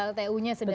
sedang pltu nya sedang